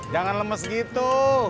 jangan lemes gitu